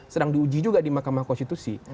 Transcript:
sedang diuji juga di mahkamah konstitusi